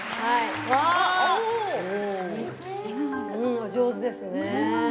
お上手ですね。